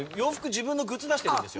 自分のグッズ出してるんです。